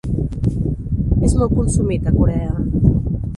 És molt consumit a Corea.